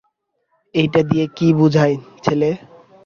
এইটা দিয়ে কি বুঝায়, ছেলে?